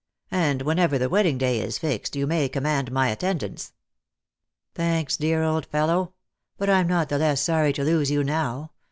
" And whenever the wedding day is fixed, you may command my attendance." " Thanks, dear old fellow ! But I'm not the less sorry to lose you now.